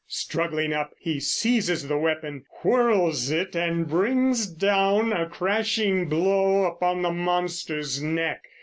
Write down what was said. Struggling up he seizes the weapon, whirls it and brings down a crashing blow upon the monster's neck.